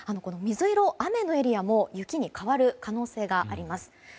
水色、雨のエリアも雪に変わる可能性があります。